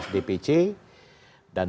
sebelas dpc dan tiga